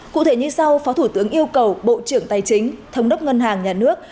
cụ thể như sau phó thủ tướng yêu cầu bộ trưởng tài chính thống đốc ngân hàng nhà nước